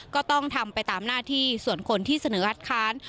ก็ต้องทำไปตามหน้าที่ส่วนคนที่เสนอคัดค้าน